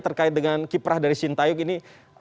terkait dengan kiprah dari sintayong ini